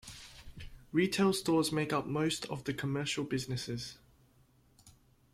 Retail stores make up most of the commercial business.